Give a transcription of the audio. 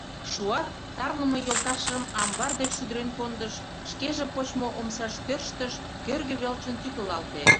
Шуат, тарлыме йолташыжым амбар дек шӱдырен кондыш, шкеже почмо омсаш тӧрштыш, кӧргӧ велчын тӱкылалте.